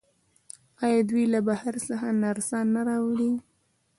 آیا دوی له بهر څخه نرسان نه راوړي؟